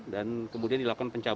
dan kemudian dilakukan penjabat